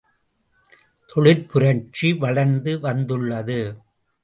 தொழிற்புரட்சி வளர்ந்து வந்துள்ளது.